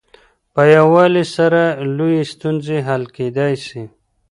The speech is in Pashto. په يووالي سره لويې ستونزې حل کيدلای سي.